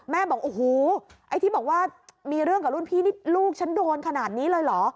แม่บอกอู๋ไอที่บอกว่ามีเรื่องกับรุ่นพี่ลูกช้าโดนขนาดนี้เลยหรอ